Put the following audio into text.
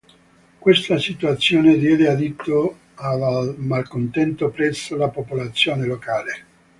Questa situazione diede adito a del malcontento presso la popolazione locale.